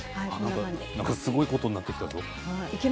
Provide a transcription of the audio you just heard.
なんかすごいことになってきたぞ。